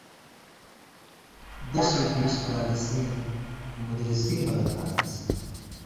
دشُوئ بیش کالہ سیں مُدرِسی مہ لن٘گھالان٘س